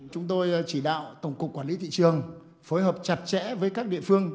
chúng tôi chỉ đạo tổng cục quản lý thị trường phối hợp chặt chẽ với các địa phương